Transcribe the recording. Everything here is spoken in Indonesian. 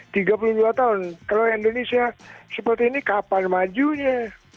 tiga puluh dua tahun kalau indonesia seperti ini kapan majunya